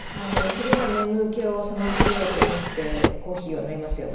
昼間眠気を覚まそうと思ってコーヒーを飲みますよね。